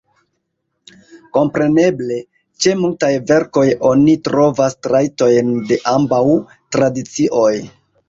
Kompreneble, ĉe multaj verkoj oni trovas trajtojn de ambaŭ tradicioj.